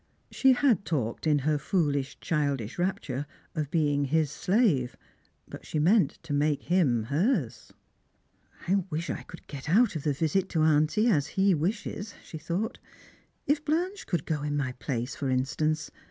She had talked, in her foolish childish rapture, of being his slave; but she meant to make him hers. " I wish I could get out of the visit to auntie, as he wishes," Bhe thought. "If Blanche could go in my place, for instance.